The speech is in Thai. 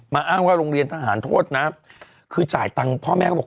อ้างว่าโรงเรียนทหารโทษนะคือจ่ายตังค์พ่อแม่ก็บอก